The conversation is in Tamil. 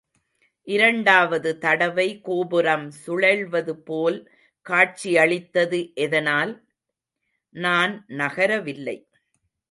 இரண்டாவது தடவை கோபுரம் சுழல்வதுபோல் காட்சியளித்தது, எதனால்? நான் நகரவில்லை.